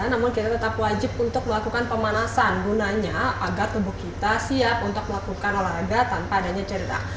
namun kita tetap wajib untuk melakukan pemanasan gunanya agar tubuh kita siap untuk melakukan olahraga tanpa adanya cerita